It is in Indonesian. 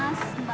kau pesan apa